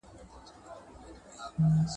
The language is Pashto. بوراګلي تر انګاره چي رانه سې ..